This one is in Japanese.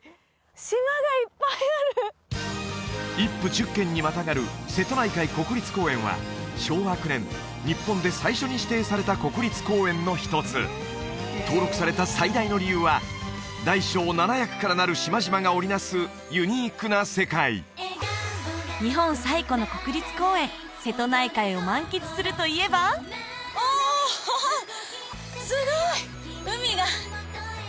島がいっぱいある１府１０県にまたがる瀬戸内海国立公園は昭和９年日本で最初に指定された国立公園の一つ登録された最大の理由は大小７００からなる島々が織りなすユニークな世界日本最古の国立公園瀬戸内海を満喫するといえばおすごい！